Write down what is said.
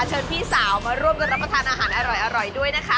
พี่สาวมาร่วมกันรับประทานอาหารอร่อยด้วยนะคะ